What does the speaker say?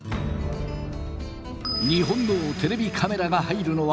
日本のテレビカメラが入るのは初めて。